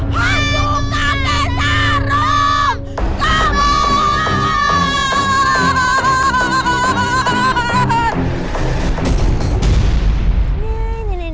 hantu kakek sarung